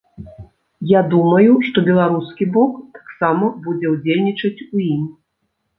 Я думаю, што беларускі бок таксама будзе ўдзельнічаць у ім.